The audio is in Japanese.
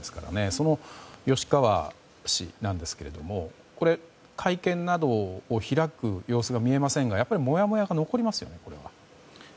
その吉川氏なんですが会見などを開く様子が見えませんが、やっぱりもやもやが残りますよねこれは。